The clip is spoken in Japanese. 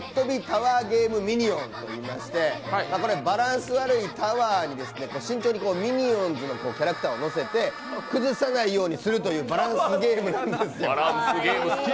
タワーゲーム・ミニオン」といいましてバランス悪いタワーに慎重にミニオンズのキャラクターをのせて、崩さないようにするバランスゲームなんですよ。